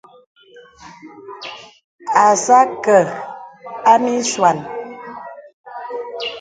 Àcā à akə̀ a miswàn.